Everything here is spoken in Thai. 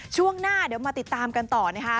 ช่วงหน้าเดี๋ยวมาติดตามกันต่อนะคะ